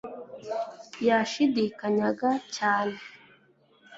Yashidikanyaga cyane